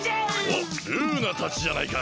おっルーナたちじゃないか。